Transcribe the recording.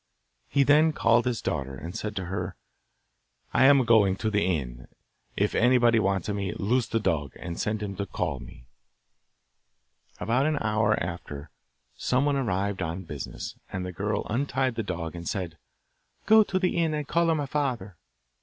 He then called his daughter, and said to her, 'I am going to the inn; if anybody wants me, loose the dog, and send him to call me.' About an hour after some one arrived on business, and the girl untied the dog and said, 'Go to the inn and call my father!